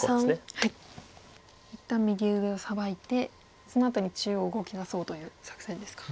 一旦右上をサバいてそのあとに中央動きだそうという作戦ですか。